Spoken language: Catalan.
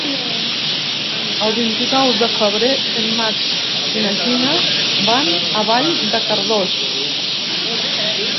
El vint-i-nou de febrer en Max i na Gina van a Vall de Cardós.